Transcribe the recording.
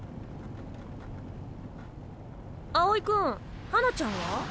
青井君花ちゃんは？